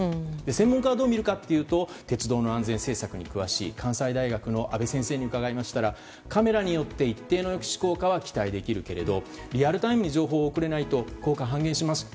専門家はどうみているかというと鉄道の安全政策に詳しい関西大学の安部先生に伺いましたらカメラによって一定の効果は期待できるけれどリアルタイムに情報を送れないと効果が半減しますと。